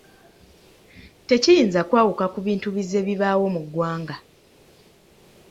Tekiyinza kwawuka ku bintu bizze bibaawo mu ggwanga.